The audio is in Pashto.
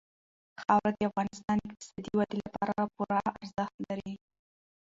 خاوره د افغانستان د اقتصادي ودې لپاره پوره ارزښت لري.